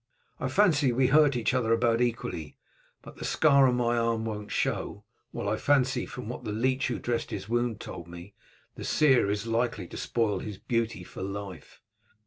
I fancy we hurt each other about equally, but the scar on my arm won't show, while I fancy, from what the leech who dressed his wound told me, the scar is likely to spoil his beauty for life."